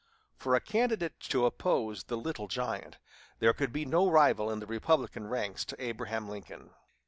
For a candidate to oppose the "Little Giant," there could be no rival in the Republican ranks to Abraham Lincoln.